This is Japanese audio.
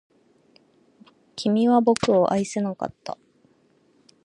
君は僕を愛せなかった